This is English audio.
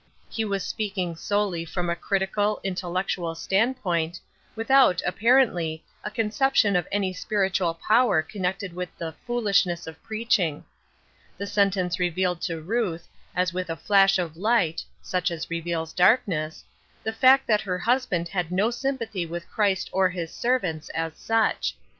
He was speaking solely from a critical, intellec tual standpoint, without, apparently, a concep tion of any spiritual power connected with the "foolishness of preaching." The sentence re vealed to Ruth, as with a flash of light — such as reveals darkness — the fact that her husband had no sympathy with Christ or his servants, as such.